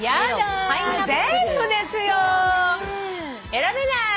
選べない！